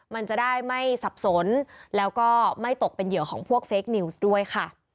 มันจะได้ไม่สับสนแล้วก็ไม่ตกเป็นเหยื่อของพวกเฟคนิวส์ด้วยค่ะ